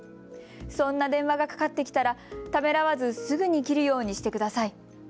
そんな電話がかかってきたらためらわずすぐに切るようにしてください。